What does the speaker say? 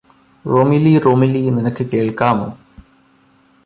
റോമിലീ റോമിലീ നിനക്ക് കേള്ക്കാമോ